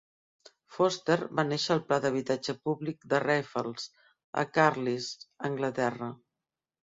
Forster va néixer al pla d'habitatge públic de Raffles, a Carlisle, Anglaterra.